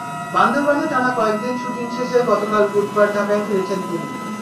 বান্দরবানে টানা কয়েক দিন শুটিং শেষে গতকাল বুধবার ঢাকায় ফিরেছেন তিনি।